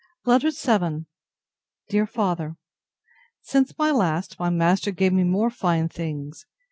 LETTER VII DEAR FATHER, Since my last, my master gave me more fine things.